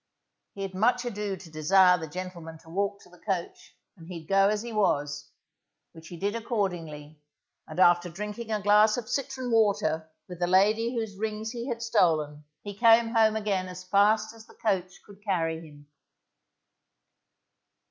_ He had much ado to desire the gentleman to walk to the coach and he'd go as he was, which he did accordingly, and after drinking a glass of citron water with the lady whose rings he had stolen, he came home again as fast as the coach could carry him.